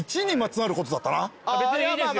別にいいですよ。